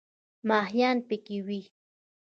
ماهیان پکې وي.